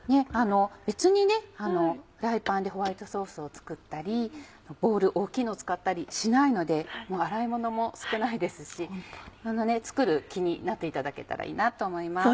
別にフライパンでホワイトソースを作ったりボウル大きいのを使ったりしないので洗い物も少ないですし作る気になっていただけたらいいなと思います。